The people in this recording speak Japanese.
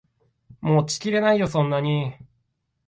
持ちきれないよそんなに